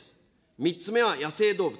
３つ目は野生動物。